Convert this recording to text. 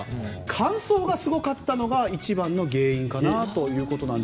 乾燥がすごかったのが一番の原因かなと。